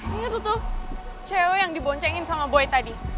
lihat tuh cewek yang diboncengin sama boy tadi